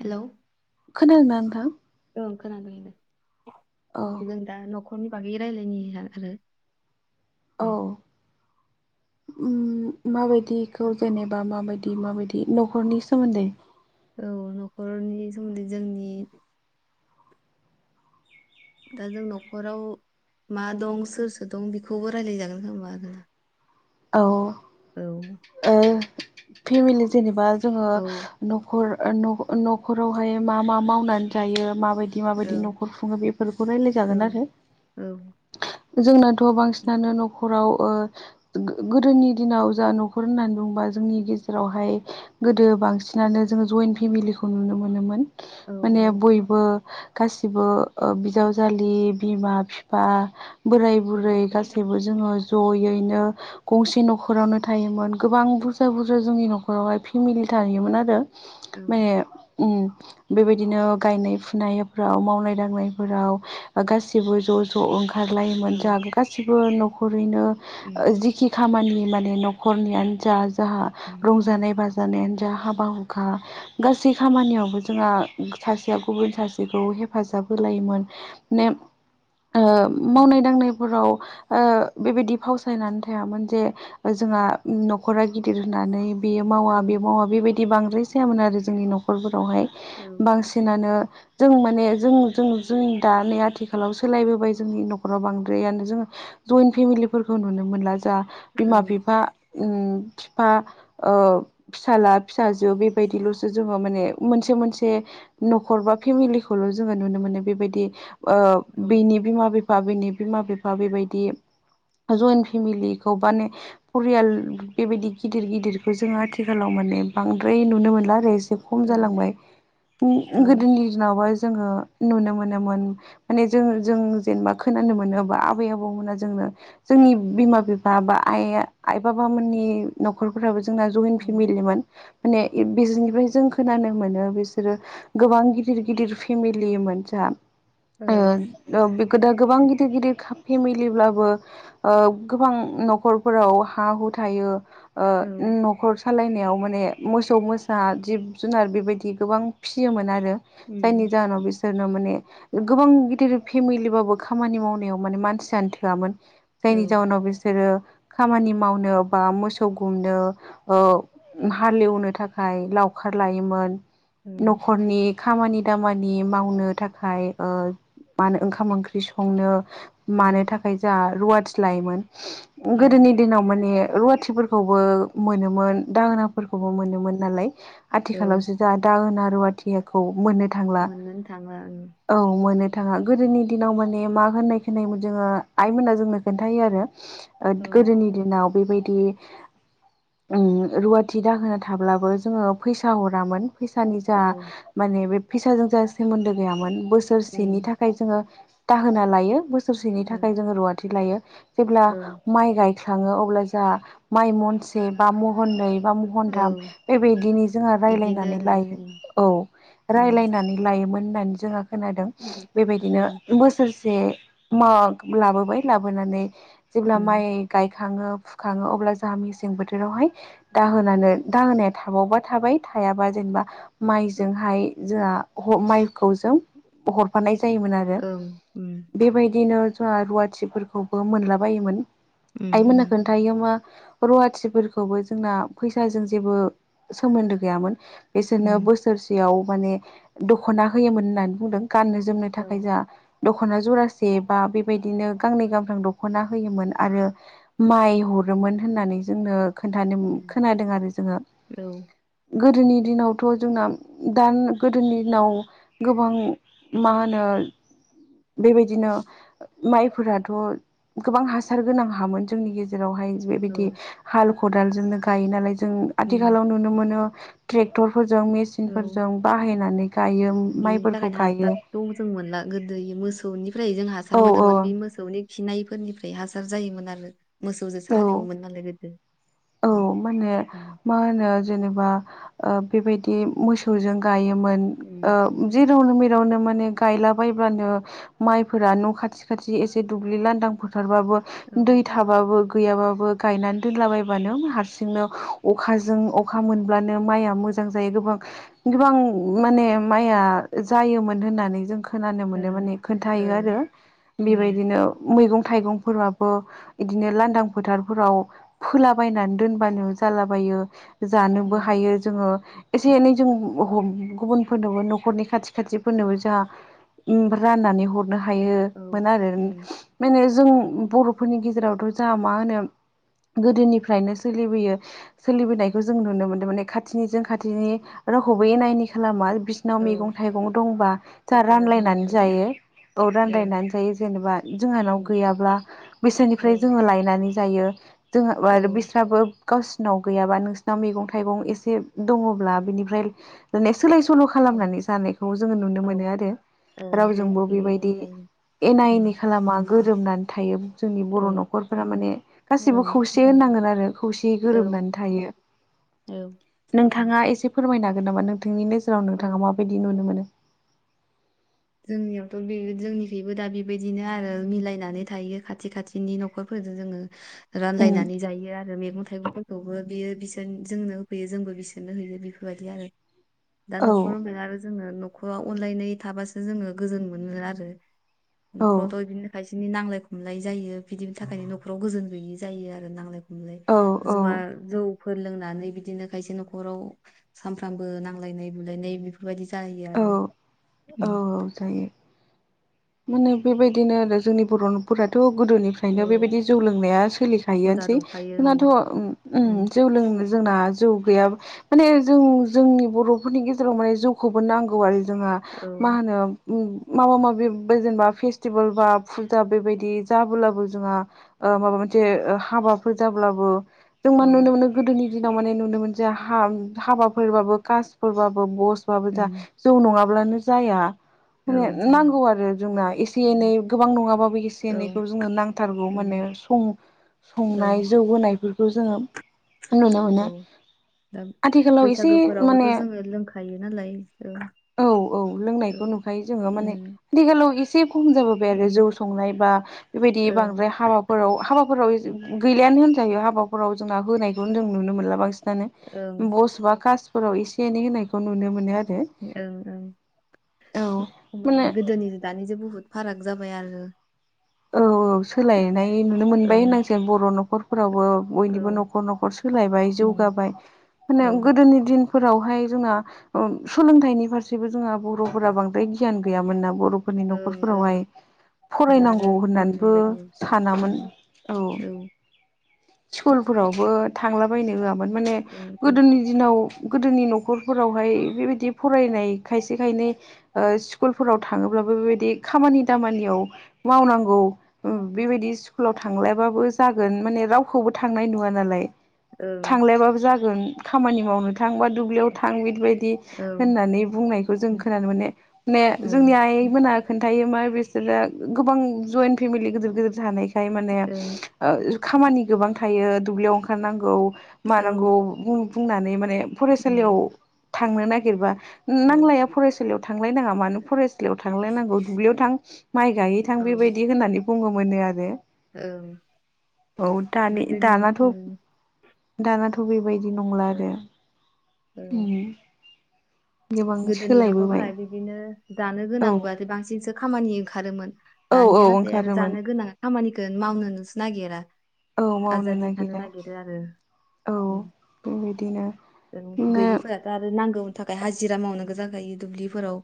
Hello खोनादों ना नोंथां? ओं खोनादोंनो औ जों दा न'खरनि बागै रायजलायनो आरो औ उम माबायदिखौ जेनेबा माबायदि माबायदि न'खरनि सोमोन्दै औ न'खरनि सोमोन्दै जोंनि दा जों न'खराव मा दं सोर सोर दं बेखौबो राय्लायजागोन खोमा आरो औ फेमिलि जेनेबा जोङो औ न'खरावहाय मा मा मावनानै जायो मा बायदि बिदि औ माबायदि न'खर खुङो बेफोरखौ रायलाय औ जागोन आरो। औ जोंनाथ' बांसिनानो न'खराव गोदोनि दिनाव जा न'खर होननानै बुंङोबा जोंनि गेजेरावहाय गोदो बांसिनानो जोङो जयन्ट फेमिलिखौ नुनो मोनोमोन औ माने बयबो गासिबो बिजावजालि बिमा बिफा बोराय बुरै गासैबो जोङो ज'यैनो गंसे न'खरावनो थायोमोन गोबां बुरजा बुरजा जोंनि न'खरावहाय फेमिलि थायोमोन आरो। औ माने उम बेबायदिनो गायनाय फुनायफोराव मावनाय दांनायफोराव गासिबो ज' ज' ज' ओंखारलायोमोन औ जोंहा गासिबो न'खरैनो उम जिखि खामानि माने न'खरनियानो जा जाहा उम रंजानाय बाजा जानायानो जा हाबा हुखा गासै खामानियावबो जोंहा सासेया गुबुन सासेखौ हेफाजाब होलायोमोन। [inaudible] औ मावनाय दांनायफोराव बेबायदि फाव सायनानै थायामोन जे जोंहा न'खरा गिदिर होननानै बेयो मावा औ बे मावा बेबायदि बिदि बांद्राय जायामोन आरो जोंनि न'खरफोरावहाय औ बांसिनानो जों माने जों जों जों दा नै आथिखालाव सोलायबोबाय जोंनि न'खराव बांद्रायानो जोङो जयन्ट फेमिलिफोरखौ नुनो मोनला जा बिमा बिफा बिफा फिसाला फिसाजो बेबायदिल'सो जोङो माने मोनसे मोनसे न'खर बा फेमिलिखौल' जोङो नुनो मोनो। बेबायदि औ बिनि बिमा बिफा बिनि बिमा बिफा बेबायदि जइेनट फेमिलिखौ माने फरियाल बेबायदि गिदिर गिदिरखौ जोङो आथिखालाव माने बांद्राय नुनो मोनला आरो एसे खम जालांबाय औ गोदोनि दिनावबा जोङो नुनो मोनोमोन माने जों जों जेनेबा खोनानो मोनोबा आबै आबौमोना जोंनो जोंनि बिमा बिफा बा आइ आइ बाबामोननि न'खरफोराबो जों जोंना जयन् उम फेमिलिमोन माने बिसोरनिफ्राय जों खोनानो मोनो बिसोरो गोबां गिदिर गिदिर फेमिलिमोन जा औ बे गो दा गोबां गिदिर गिदिर फेमिलिब्लाबो गोबां न'खरफोराव हा हु थायो न'खर खालायनायाव माने मोसौ मोसा जिब जुनार बेबायदि गोबां फिसियोमोन आरो जायनि जाहोनाव बिसोर नो माने गोबां गिदिर फेमिलि बाबो खामानि मावनायाव माने मानसियानो थोआमोन जायनि जाउनाव बिसोरो खामानि मावनो बा मोसौ गुमनो हालेवनो थाखाय लाव खार लायोमोन औ न'खनि खामानि दामानि मावनो थाखाय ओ ओंखाम ओंख्रि संनो मानो उम थाखाय जा रुवाथि लायोमोन गोदोनि दिनाव माने रुवाथिफोरखौबो मोनोमोन दाहोना औ मोनोमोन नालाय औ आथिखालावसो जा दाहोना रुवाथि मोन मोननोनो थांला औ मोन थाङा ओं गोदोनि दिनाव मा होननाय खनायोमोन जोङो आइमोना जोंनो खोन्थायायो आरो औ गोदोनि दिनाव बेबायदि बिदि रुवाथि दाहोना थाब्लाबो जोङो फैसा हरामोन फैसानि जा औ माने बे फैसाजों जा सोमोन्दो गैयामोन बोसोरसेनि उम थाखाय जोङो दाहोना लायो बोसोरसेनि औ थाखाय जोङो रुवाथि लायो जेब्ला औ माइ गाय थङो अब्ला जा माइ महनसे बा महननै बा महनथाम औ बेबायदिनो जोङो राय्लायनानै इदिनोनो लायो औ उम रायलायनानै लायोमोन होननानै जोंहा खोनादों बेबायदिनो उम बोसोरसे लाबोबाय लाबो लाबोनानै जेब्ला माइ गाखाङो फुखाङो अब्ला जोंहा मेसें बोथोरावहाय दाहोनानो दाहोनाया थाबावबा थाबाय हायाबा जेनेबा माइजोंहाय जोंहा माइखौ जों हरफानाय जायोमोन आरो ओं उम बेबायदिनो जोंहा रुवाथिफोरखौबो मोनलाबायोमोन ओं उम आइमोना खोन्थायो मा रुवाथिफोरखौबो जोंना फैसाजों जेबो सोमोन्दो गैयामोन बिसोरनो उम बोसोरसेयाव माने दखना होयोमोन होननानै बुंदों गाननो जोमनो थाखाय औ जा दखना जरासे बा बेबायदिनो गांनै गां थाम दख'ना होयोमोन आरो माइ हरोमोन होननानै जोंनो खोन्थानो उम, खोनादों आरो जोङो औ गोदोनि दिनावथ जोंना दान गोदोनि दिनाव गोबां मा होनो बेबायदिनो माइफोराथ गोबां हासार गोनां हामोन जोंनि गेजेरावहाय बेबायदि औ हाल खदालजोंनो गायो नालाय जों उम आथिखालाव नुनो मोनो ट्रेक्टर फोरजों मेसिन औ फोरजों बाहायनानै गायो बिनि माइफोरखौ थाखायनो गायो हासारखौ जों मोनला गोदो मोसौनि फ्राय जों हासार औ औ मोनोमोन बे मोसौनि खिनायफोरनिफ्राय हासार जायोमोन आरो मोसौजोंसो औ हालेवोमोन नालाय गोदो औ उम मा होनो उम मा होनो जेनेबा बेबायदि मोसौजों गायो मोन उम, जेराव‌ नोङो न माने गायला बब्लानो माइफोरा न' खाथि खाथि एसे दुब्लि लांदां फथार औ दै थाबो गैय गायनानै दोनलाबाय हारसिंनो अखाजों अखा मोनब्लानो माइआ मोजां जायो गोबां गोबां माने माइया जायोमोन होननानै जों खोनानो मोनो ओं मोने औ खोनथायो उम बेबायदिनो मै थाइगंफोराबो बिदिनो लांदां फोथारफोराव फोला बायनानै दोनबानो जालाबायो औ जानोबो हायो जोङो एसे एनै जों गुबुनफोरनोबो न'खरनि खाथि खाथिफोरनोबो जोंहा राननानै हरनो औ हायोमोन आरो उम माने जों बर'फोरनि गेजेरावथ जाहा मा होनो गोदोनिफ्राय नो सोलिबोयो सोलिबोनायखौ जों नुनो मोनदों माने खाथिनिजों खाथिनि रावखौबो एनायनि खालामा बिसिनाव औ मैगं थाइगं दंबा जों हेफाजाब रानलायनानै होनानै उम जायो। औ ओं रानलायनानै जायो जेनेबा जोंहानाव गैयाब्ला बिसोरनिफ्राय ओं जोङो लायनानै दायो [unintelligible] ओं गावसोरनाव गैयाब्ला नोंसोरनाव मैगं थाइगं एसे दंब्ला सोलाय सोल' औ ओं खालामनानै जानायखौ जोङो नुनो मोनो औ आरो ओं जोंनि रावजोंबो बेबायदि बेबायदिनो जायो एना ओं इनि खालामा गोरोबनानै थायो जोंनि बर' ओं न'खरफोरा माने गासिबो ओं खौसे होनांगोन खौसेयै औ गोरोबनानै थायो औ नोंथाङा एसे फोरमायनो हागोन नामा नोंथांनिनो? जोंनाव औ नोंथाङा माबायदि नुनो मोनो। जोंनियावथ' बे जोंनिखबो दा बेबायदिनो आरो मिलायनानै थायो खाथि खाथिनि न'खरफोर जों उम रानलायनानै जायो आरो। थाइगंफोरखौबो बियो बिसोर जोंनो होफैयो जोंबो बिसोरनो होयो। बेफोरबायदि आरो दा औ न'खर होनबाय आरो जोङो न'खराव अनलायनाय थाबासो जोङो गोजोन मोनो आरो। औ न'खरावथ' बिदिनो खायसे बिदिनो नांलाय खमलाय जायो बिदिनि थाखायनो न'खराव गोजोन गैयै जायो आरो नांलाय खम लाय औ औ जुवा जौ फोर लोंनानै बिदिनो खायसे न'खराव सानफ्रामबो नांलायनाय बुलायनाय बेफोरबायदि जायो आरो। औ औ जायो माने बेबायदिनो आरो जोंनि बर'फोराथ' गोदोनिफ्रायनो औ बेबायदि जौ लोंनाया हुदा सोलिखायोनोसै दंखायो ओं जोंनाथ' उम जौ लों जोंना जौ गैया माने जों जोंनि बर'फोरनि गेजेराव माने जौखौबो नांगौ आरो। जोंहा औ मा होनो माबा माबि जेनेबा फेस्टिभेल बा फुजा बेबायदि जाबोलाबो जोंहा माबा मोनसे हाबाफोर जाब्लाबो जों माने औ नुनो मोनो गोदोनि दिनाव माने नुनो मोनो हाबा हाबाफोरबाबो कासफोरबाबो बस आबो‌ जा उम जौ नङाब्लानो जाया। ओं माने जाया नांगौ आरो जोंना एसे एनै उम गोबां नङाबाबो एसे औ एनैखौ जोंनो नांथारगौ मानें उम संनाय ओं जौ होनायफोरखौ जोङो नुनो मोनो औ दा आथिखालाव एसे बैसागोफोरावबोथ' माने जोङो लोंखायो नालाय औ औ औ औ ओं लोंनायखौ नुखायो जोङो माने ओं आथिखालाव एसे खम जाबोबाय आरो जौ संनाय बा बेबायदि ओं बांद्राय हाबाफोराव हाबा हाबाफोराव गैलयानो होनजायो हाबाफोराव जोंना होनायखौनो जों नुनो मोनला बांसिन ओं बस बा कासफोराव एसे एनै होनायखौ नुनो मोनो आरो। ओं औ ओं माने गोदोनिजों दानिजों बुहुद फाराग जाबाय आरो। औ औ ओं सोलायनाय नुनो मोनबाय ओं होनांसै बर' न'खर थेवबो बयनिबो औ न'खर न'खर सोलायबाय उम जौगाबाय औ माने गोदोनि दिन फोरावहाय जोंना सोलोंथाइनि फारसेबो जोंहा बर'फोरा बांद्राय गियान गैयामोन नामा? बर'फोरनि ओं न'खरफोरावहाय ओं दा आरो फरायनांगौ औ होननानैबो बुजिबाय उम सानामोन उम औ स्कुलफोरावबो थांलाबायनो होआमोन माने ओं गोदोनि दिनाव गोदोनि न'खरफोरावहाय बेबायदि फरायनाय खायसे खायनै स्कुलफोराव थाङोब्ला बेबायदि खामानि दामानियाव मावनांगौ बेबायदि स्कुलाव थांलायबाबो जागोन माने रावखौबो थांनाय नुवा नालाय ओं थांलायबाबो जागोन खामानि मावनो थां बा दुब्लियाव थां बिबायदि बि ओं होननानै बुंनायखौ जों खोनानो मोनाने माने औ उम औ जोंनि आइ मोना खोन्थायो मा बे बिसोरा गोबां जयन्ट फेमिलि गिदिर गिदिर थानायखाय माने ओं खामानि गोबां थायो दुब्लियाव ओंखारनांगौ औ मानांगौ बुंनानै माने उम फरायसालियाव थांनो नागिरबा औ नांलाया फरायसालियाव थांलाय नङा मानो फराय सालियाव थांलायनांगौ दुब्लियाव थां माइ गायहै थां औ बेबायदि होननानै बुङोम मोनो आरो ओं औ दानि गोदोनि दानाथ' उम दानाथ' बे बेबायदि नंला ओं आरो ओं उम गोबां गोदोनि सोलायबोबाय न'खरफोरा बिदिनो जानो औ गोनांब्लाथाय बांसिनसो खामानि ओंखारोमोन औ औ दानिया नाथाय आरो ओंखारोमोन जानो गोनां खामानिखौ मावनोनोसो नागिरा औ मावनो आजादि थानो नागिरा नागिरो आरो औ ओम बेबायदिनो जों नो गैयिफोराथ' आरो नांगौनि थाखाय हाजि जिरा मावनो गोनां जायो दुब्लिफोराव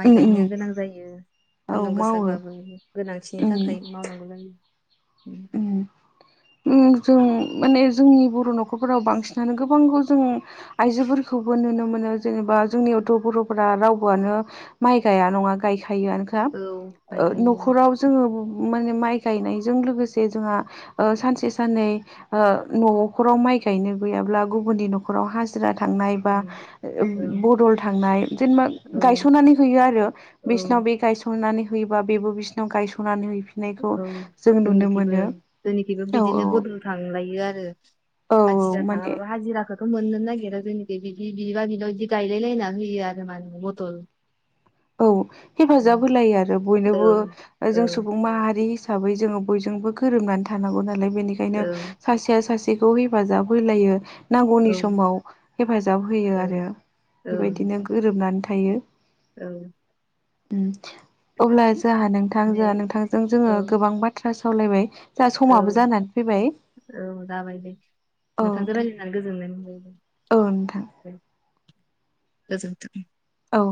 माइ उम गायनो उम गोनां जायो औ सान्दुं मावो गोसाबाबो गोनांथिनि उम थाखाय मावनांगौ जायो उम उम जों माने जोंनि बर' न'खरफोराव बांसिनानो गोबांखौ जों आइजोफोर खौबो नुनो मोनो जेनेबा जोंनियावथ' बर'फोरा रावबोआनो माइ गाया नङा गायखा खायोआनोखा औ ओ गायखायो न'खराव जोङो माने माइ गायनायजों लोगोसे जोंहा ओ सानसे साननै ओ न''खराव माइ गायनो गैयाब्ला गुबुननि न'खराव हाजिरा थांनाय बा उम ओ औ बदल थांनाय जेनेबा औ गायसनानै होयो आरो औ बिसना बे गायस'नानै होयोबा बेबो बिसिनाव गायस'नानै हैफिननायखौ जों नुनो मो ओं जोंनिखबो बिदिनो बदल थांलायो आरो औ हिजिरा माने थाङाबाबो हाजिराखो खो मोननो नागिरा जोंनिखै बि बिबा बिनाव बिदि गायलाय लायनानै होयो आरो माने बदल औ औ हेफाजाब होलायो आरो औ बयनोबो औ जों सुबुं माहारि हि साबै जोङो बयजोंबो गोरोबनानै थानांगौ नालाय बेनिखायनो सासेया सासे खौ हेफाजाब होलायो औ नांगौनि समाव हेफाजाब होयो आरो औ औ बेबायदिनो गोरोबनानै थायो औ ओम अब्ला जोहा नोंथां दे जोंहा नोंथांजों औ जोङो गोबां बाथ्रा सावलायबाय दा औ समाबो जानानै फैबाय औ जाबाय दे औ नोंथांजों दे रायज्लायनानै गोजोननाय औ नोंथां मोनबाय गोजोन्थों औ